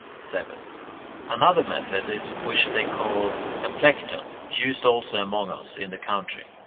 7. Another method is that which they call [Greek: emplekton], used also among us in the country.